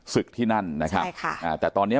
ศึกที่นั่นแต่ตอนนี้